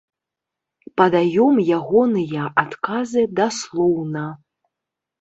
Падаём ягоныя адказы даслоўна.